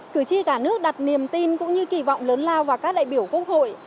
cử tri cả nước đặt niềm tin cũng như kỳ vọng lớn lao vào các đại biểu quốc hội